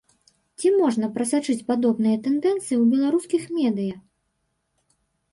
Ці можна прасачыць падобныя тэндэнцыі ў беларускіх медыя?